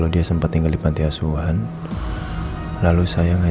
bapak mau ikut lagi